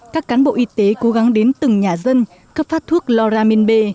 các cán bộ y tế cố gắng đến từng nhà dân cấp phát thuốc lora minbe